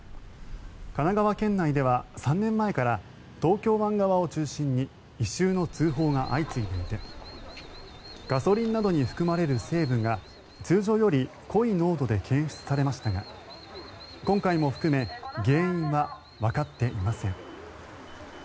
神奈川県内では３年前から東京湾側を中心に異臭の通報が相次いでいてガソリンなどに含まれる成分が通常より濃い濃度で検出されましたが、今回も含め原因はわかっていません。